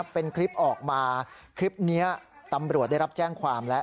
เป็นคลิปออกมาคลิปนี้ตำรวจได้รับแจ้งความแล้ว